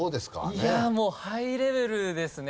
いやもうハイレベルですね。